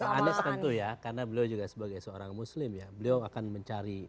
pak anies tentu ya karena beliau juga sebagai seorang muslim ya beliau akan mencari